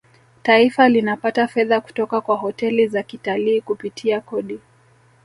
taifa linapata fedha kutoka kwa hoteli za kitalii kupitia kodi